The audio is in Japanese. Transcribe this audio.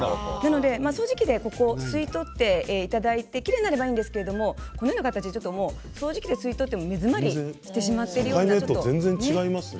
掃除機で吸い取っていただいてきれいになればいいんですけどこのような形で掃除機で吸い取っても目詰まりしてしまっている場合があります。